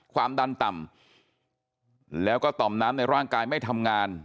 ความดันต่ำแล้วก็ต่อมน้ำในร่างกายไม่ทำงาน